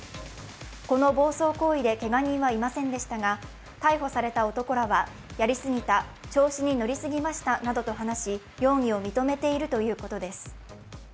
この暴走行為でけが人はいませんでしたが逮捕された男らは、やりすぎた、調子に乗りすぎましたなど話し、容疑を認めているということです。